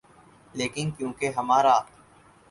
لیکن کیونکہ ہمارا